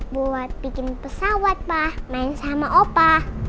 buat bikin pesawat pak main sama opa